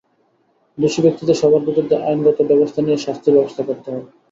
দোষী ব্যক্তিদের সবার বিরুদ্ধে আইনগত ব্যবস্থা নিয়ে শাস্তির ব্যবস্থা করতে হবে।